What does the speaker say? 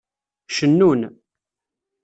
Cennun.